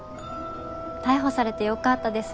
逮捕されてよかったです